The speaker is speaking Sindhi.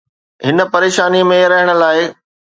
هن پريشاني ۾ رهڻ لاء.